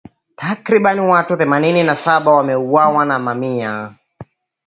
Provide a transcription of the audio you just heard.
Takribani watu themanini na saba wameuawa na mamia